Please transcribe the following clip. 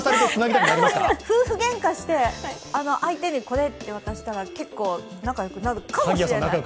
夫婦げんかして、相手にこれって渡したら結構、仲良くなるかもしれない。